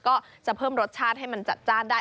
ก็จะเพิ่มรสชาติให้มันจัดจ้านได้